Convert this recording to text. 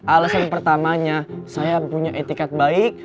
alasan pertamanya saya punya etikat baik